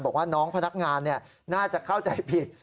บอกว่าน้องพนักงานน่าจะเข้าใจผิด